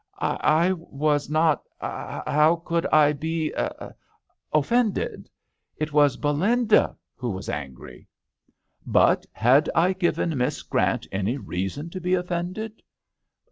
" I was not — how could I be ?— offended. It was Belinda who was angry." " But had I given Miss Grant any reason to be offended